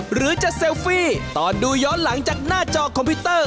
หรือจะเซลฟี่ตอนดูย้อนหลังจากหน้าจอคอมพิวเตอร์